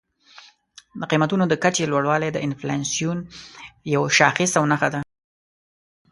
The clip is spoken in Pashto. د قیمتونو د کچې لوړوالی د انفلاسیون یو شاخص او نښه ده.